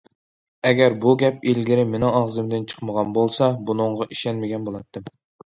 ئەگەر بۇ گەپ ئىلگىرى مېنىڭ ئاغزىمدىن چىقمىغان بولسا، بۇنىڭغا ئىشەنمىگەن بولاتتىم.